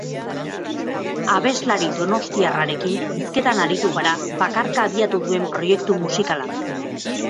Abeslari donostiarrarekin hizketan aritu gara bakarka abiatu duen proiektu musikalaz.